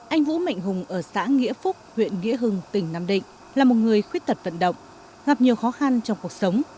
anh vũ mạnh hùng ở xã nghĩa phúc huyện nghĩa hưng tỉnh nam định là một người khuyết tật vận động gặp nhiều khó khăn trong cuộc sống